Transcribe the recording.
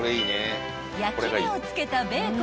［焼き目を付けた］